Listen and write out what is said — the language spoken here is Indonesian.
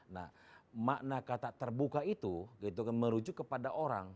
nah makna kata terbuka itu gitu kan merujuk kepada orang